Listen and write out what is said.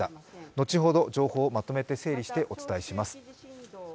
後ほど、情報をまとめて整理してお伝えします。